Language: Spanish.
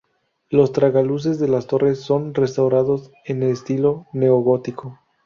Los tragaluces de las torres son restaurados en estilo neogótico.